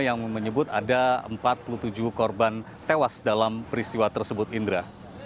yang menyebut ada empat puluh tujuh korban tewas dalam peristiwa tersebut indra